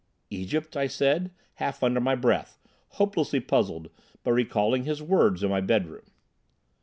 "Egypt?" I said half under my breath, hopelessly puzzled, but recalling his words in my bedroom.